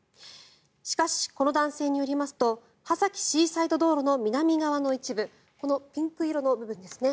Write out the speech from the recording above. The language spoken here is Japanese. しかし、この男性によりますと波崎シーサイド道路の南側の一部このピンク色の部分ですね。